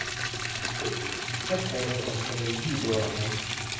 เอสเอเอเอ็ม เอ็นเนอร์ยี่ ดีเวลลอปเมนท์